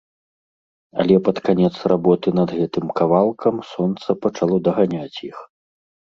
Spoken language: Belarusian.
Але пад канец работы над гэтым кавалкам сонца пачало даганяць іх.